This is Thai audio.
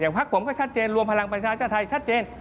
พักผมก็ชัดเจนรวมพลังประชาชาติไทยชัดเจน